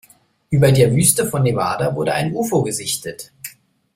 Über der Wüste von Nevada wurde ein Ufo gesichtet.